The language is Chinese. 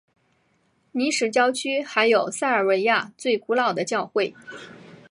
尼什郊区还有塞尔维亚最古老的教会。